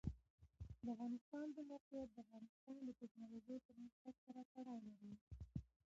د افغانستان د موقعیت د افغانستان د تکنالوژۍ پرمختګ سره تړاو لري.